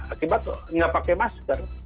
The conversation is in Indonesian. akibat nggak pakai masker